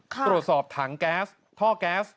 ตรวจสอบถังแก๊สท่อแก๊ส